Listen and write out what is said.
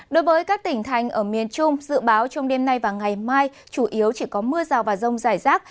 đối với các tỉnh thành ở miền trung dự báo trong đêm nay và ngày mai chủ yếu chỉ có mưa rào và rông rải rác